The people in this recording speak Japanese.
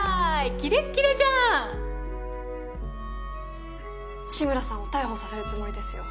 キレッキレじゃん志村さんを逮捕させるつもりですよ